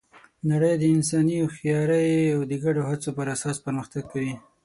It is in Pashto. نړۍ د انساني هوښیارۍ او د ګډو هڅو پر اساس پرمختګ کوي.